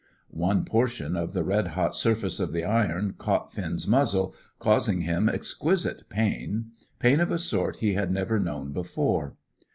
One portion of the red hot surface of the iron caught Finn's muzzle, causing him exquisite pain; pain of a sort he had never known before.